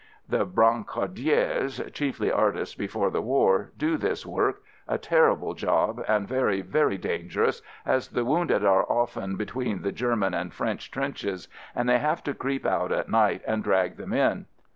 The brancardiers (chiefly artists before the war !) do this work — a terrible 96 AMERICAN AMBULANCE job, and very, very dangerous, as the wounded are often between the German and French trenches and they have to creep out at night and drag them in.